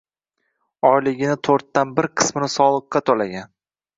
oyligini to‘rtdan bir qismini soliqqa to‘lagan